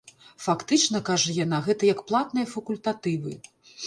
Фактычна, кажа яна, гэта як платныя факультатывы.